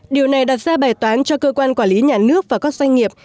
điều này đặt ra bài toán cho cơ quan quản lý nhà nước và các doanh nghiệp